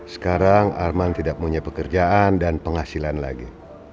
sekarang arman tidak punya pekerjaan dan penghasilan lagi